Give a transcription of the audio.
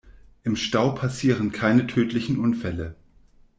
Im Stau passieren keine tödlichen Unfälle.